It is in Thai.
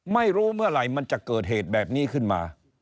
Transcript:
ไม่รู้เมื่อไหร่มันจะเกิดเหตุแบบนี้ขึ้นมา